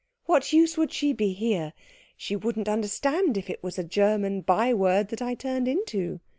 What use would she be here? She wouldn't understand if it was a German by word that I turned into.